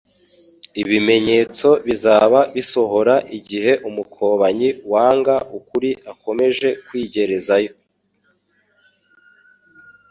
ibimenyetso bizaba bisohora. Igihe umukobanyi wanga ukuri akomeje kwigerezaho,